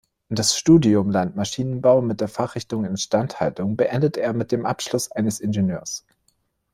Das Studium „Landmaschinenbau“ mit der Fachrichtung Instandhaltung beendete er mit dem Abschluss eines Ingenieurs.